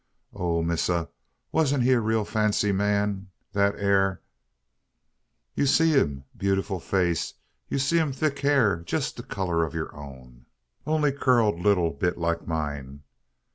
"Oh, missa! wasn't he real fancy man, dat 'ere? You see him bewful face. You see him thick hair, jess de colour ob you own only curled leetle bit like mine.